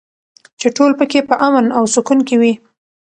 چې ټول پکې په امن او سکون کې وي.